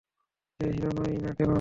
সে hero হয় না কেন?